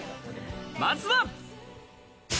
まずは。